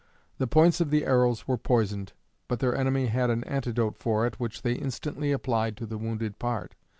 The points of the arrows were poisoned, but their enemy had an antidote for it, which they instantly applied to the wounded part.